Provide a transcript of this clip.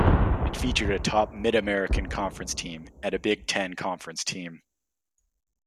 It featured a top Mid-American Conference team and a Big Ten Conference team.